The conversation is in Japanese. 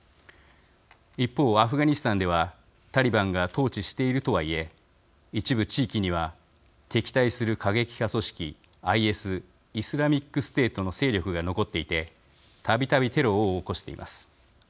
一方アフガニスタンではタリバンが統治しているとはいえ一部地域には敵対する過激派組織ＩＳイスラミックステートの勢力が残っていてたびたびテロを起こしています。